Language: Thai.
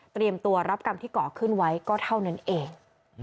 ตัวรับกรรมที่เกาะขึ้นไว้ก็เท่านั้นเอง